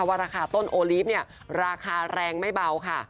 แต่ว่าราคาต้นโอลีฟราคาแรงไม่เบาค่ะ